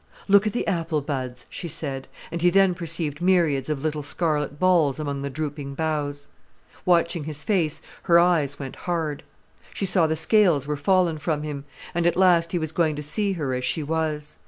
"Look at the apple buds," she said, and he then perceived myriads of little scarlet balls among the drooping boughs. Watching his face, her eyes went hard. She saw the scales were fallen from him, and at last he was going to see her as she was.